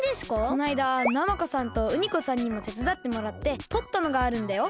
こないだナマコさんとウニコさんにもてつだってもらってとったのがあるんだよ。